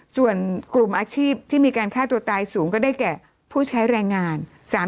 ส่วนกลุ่มอาชีพที่มีการฆ่าตัวตายสูงก็ได้แก่ผู้ใช้แรงงาน